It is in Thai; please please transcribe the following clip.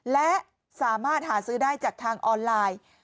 และสามารถหาซื้อได้จากทางออนไลน์